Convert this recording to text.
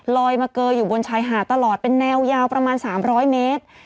มาเกออยู่บนชายหาดตลอดเป็นแนวยาวประมาณ๓๐๐เมตร